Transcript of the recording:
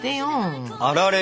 あられ